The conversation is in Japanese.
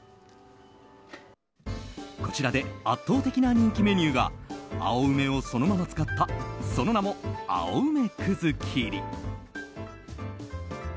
こちらで圧倒的な人気メニューが青梅をそのまま使ったその名も青梅葛切り。